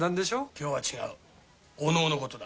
今日は違うお能のことだ。